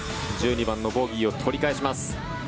１２番のボギーを取り返します。